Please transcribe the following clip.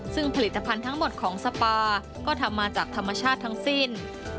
ซึ่งผลิตภัณฑ์ทั้งหมดของสปาก็ทำมาจากธรรมชาติทั้งสิ้น